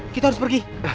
kita harus pergi